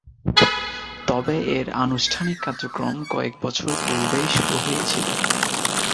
তবে এর আনুষ্ঠানিক কার্যক্রম কয়েক বছর পূর্বেই শুরু হয়েছিল।